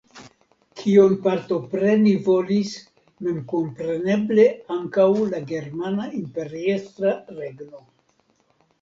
Kion partopreni volis memkompreneble ankaŭ la Germana Imperiestra Regno.